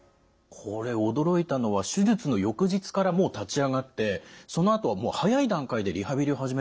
これ驚いたのは手術の翌日からもう立ち上がってそのあとはもう早い段階でリハビリを始めるんですね。